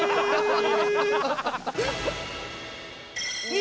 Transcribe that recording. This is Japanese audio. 「２」。